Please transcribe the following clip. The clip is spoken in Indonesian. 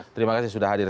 terima kasih sudah hadir